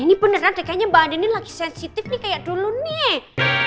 ini benar benar kayaknya mbak andin ini lagi sensitif nih kayak dulu nih